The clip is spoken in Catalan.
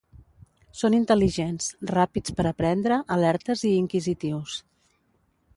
Són intel·ligents, ràpids per aprendre, alertes i inquisitius.